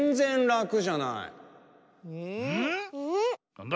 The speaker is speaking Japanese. なんだ？